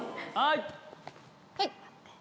はい。